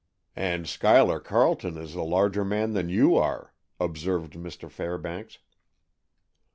"And Schuyler Carleton is a larger man than you are," observed Mr. Fairbanks.